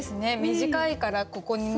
短いからここにね。